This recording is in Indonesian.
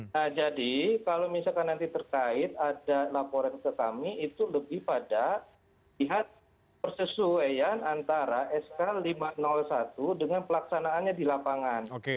nah jadi kalau misalkan nanti terkait ada laporan ke kami itu lebih pada lihat persesuaian antara sk lima ratus satu dengan pelaksanaannya di lapangan